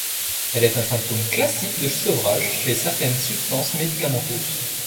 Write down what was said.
Elle est un symptôme classique de sevrage chez certaines substances médicamenteuses.